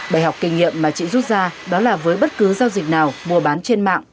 bài học kinh nghiệm mà chị rút ra đó là với bất cứ giao dịch nào mua bán trên mạng